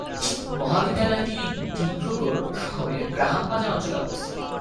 মহাবিদ্যালয়টি ডিব্রুগড় শহরের গ্রাহাম বাজার অঞ্চলে অবস্থিত।